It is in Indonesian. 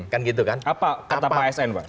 kan gitu kan apa kata pak asn pak